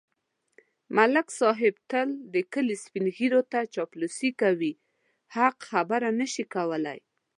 ملک صاحب تل د کلي سپېنږیروته چاپلوسي کوي. حق خبره نشي کولای.